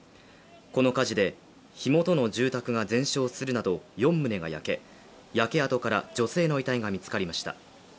この火事で、火元の住宅が全焼するなど、４棟が焼け、焼け跡から女性の遺体が見つかりました。